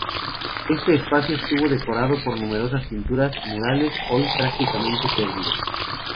Este espacio estuvo decorado por numerosas pinturas murales, hoy prácticamente perdidas.